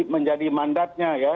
menjadi mandatnya ya